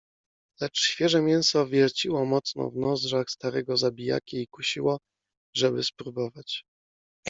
Lecz świeże mięso wierciło mocno w nozdrzach starego zabijaki i kusiło, żeby spróbować.